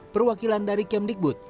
perwakilan dari kemdikbud